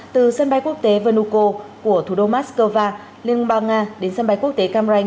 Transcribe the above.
từ sân bay quốc tế venuko của thủ đô moscow liên bang nga đến sân bay quốc tế cam ranh